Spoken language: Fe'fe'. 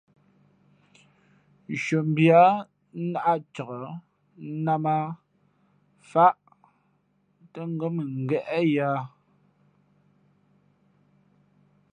Nshʉαmbhi á nāʼ cak, nnām ā, fǎʼ tά ngα̌ mʉngéʼ yǎ.